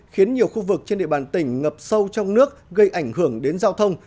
khiến nhiều khu vực trên địa bàn tỉnh ngập sâu trong nước gây ảnh hưởng đến giao thông